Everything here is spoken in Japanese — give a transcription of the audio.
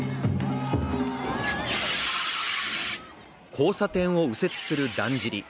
交差点を右折するだんじり。